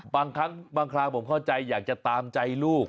บางครั้งบางคราวผมเข้าใจอยากจะตามใจลูก